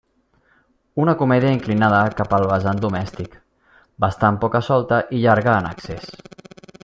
Una comèdia inclinada cap al vessant domèstic, bastant poca-solta i llarga en excés.